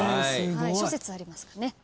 諸説ありますからね。